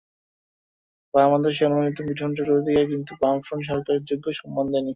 বাম আদর্শে অনুপ্রাণিত মিঠুন চক্রবর্তীকে কিন্তু বামফ্রন্ট সরকারও যোগ্য সম্মান দেয়নি।